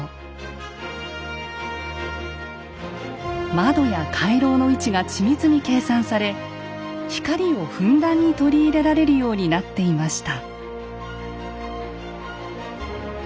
窓や回廊の位置が緻密に計算され光をふんだんに取り入れられるようになっていました。